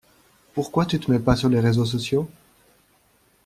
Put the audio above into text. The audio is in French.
Pourquoi tu te mets pas sur les réseaux sociaux?